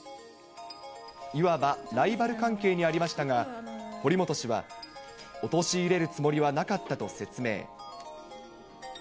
いわばライバル関係にありましたが、堀本氏は、陥れるつもりはなかったと説明。